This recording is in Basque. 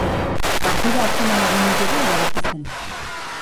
Partida azken hamar minutuetan erabaki zen.